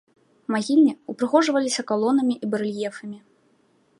Магільні упрыгожваліся калонамі і барэльефамі.